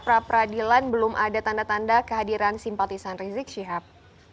pra peradilan belum ada tanda tanda kehadiran simpatisan rizik syihab